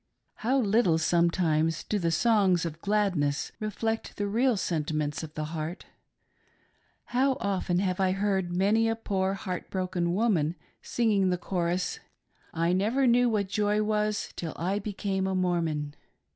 How little sometimes do the songs of gladness reflect the real sentiments ■of 'the heart. How oftdn have I heard many a poor heart 'broken woman singing the chorus :" I never knew what joy was Till I became a Mormon."